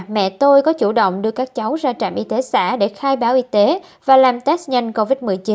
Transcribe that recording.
bố chủ động đưa các cháu ra trạm y tế xã để khai báo y tế và làm test nhanh covid một mươi chín